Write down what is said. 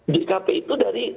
jkp itu dari